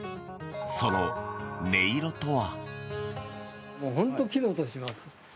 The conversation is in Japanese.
その音色とは？